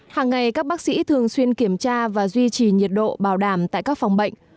hàng ngày các bác sĩ thường xuyên kiểm tra và duy trì nhiệt độ bảo đảm tại các phòng bệnh